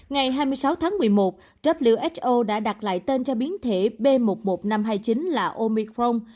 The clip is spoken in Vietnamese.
ngày hai mươi sáu tháng một mươi một who đã đặt lại tên cho biến thể b một một năm trăm hai mươi chín là omicron